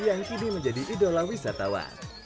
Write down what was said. yang kini menjadi idola wisatawan